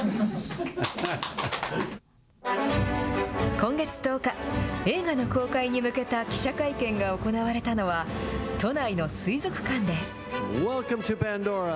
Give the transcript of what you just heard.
今月１０日、映画の公開に向けた記者会見が行われたのは、都内の水族館です。